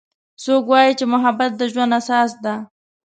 څوک وایي چې محبت د ژوند اساس ده